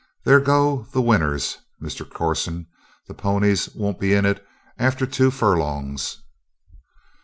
"There go the winners, Mr. Corson. The ponies won't be in it after two furlongs."